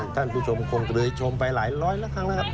ท่านผู้ชมคงเคยชมไปหลายร้อยละครั้งแล้วครับ